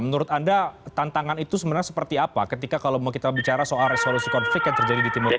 menurut anda tantangan itu sebenarnya seperti apa ketika kalau mau kita bicara soal resolusi konflik yang terjadi di timur tengah